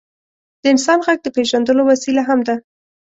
د انسان ږغ د پېژندلو وسیله هم ده.